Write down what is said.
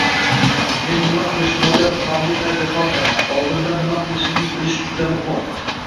Men nima qilishni oʻylab tomga qarab yotolmayman, oldindan nima qilishimni bilish juda muhim.